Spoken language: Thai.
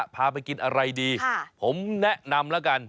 พาไปกินอะไรดีผมแนะนำแล้วกัน